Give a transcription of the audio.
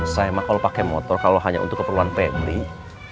saya emang kalau pakai motor kalau hanya untuk keperluan family